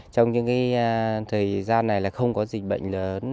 trong những thời gian này là không có dịch bệnh lớn